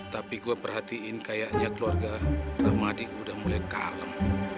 tapi gua perhatiin kayaknya keluarga rahmadi udah mulai kalem